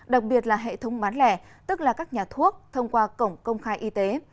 đặc biệt là hệ thống bán lẻ tức là các nhà thuốc thông qua cổng công khai y tế